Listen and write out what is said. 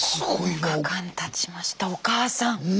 ９日間たちましたお母さん。